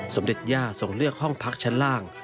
สมเด็จย่าส่งเลือกห้องพักชั้นล่าง